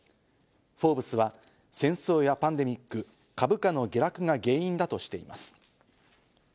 『フォーブス』は戦争やパンデミック、株価の下落が原因だとしています。